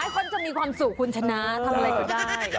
คนจะมีความสุขคุณชนะทำอะไรก็ได้